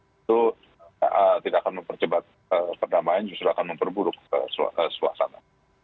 itu tidak akan mempercepat perdamaian justru akan memperburuk suasana